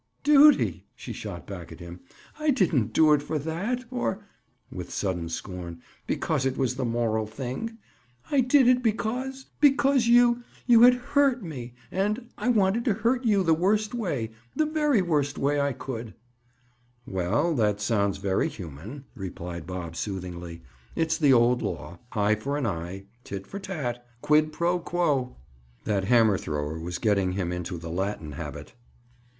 "Duty!" she shot back at him. "I didn't do it for that, or"—with sudden scorn—"because it was the moral thing. I did it because—because you—you had hurt me and—and I wanted to hurt you the worst way—the very worst way I could—" "Well, that sounds very human," replied Bob soothingly. "It's the old law. Eye for an eye! Tit for tat! Quid pro quo!" That hammer thrower was getting him into the Latin habit.